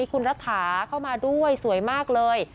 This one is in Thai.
คุณรัฐาเข้ามาด้วยสวยมากเลย